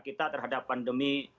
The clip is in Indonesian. kita terhadap pandemi